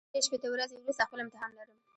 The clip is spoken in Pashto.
زه درې شپېته ورځې وروسته خپل امتحان لرم.